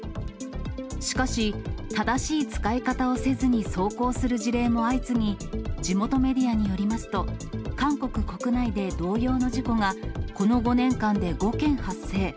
しかし、正しい使い方をせずに走行する事例も相次ぎ、地元メディアによりますと、韓国国内で同様の事故が、この５年間で５件発生。